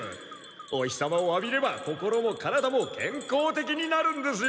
お日様を浴びれば心も体も健康的になるんですよ！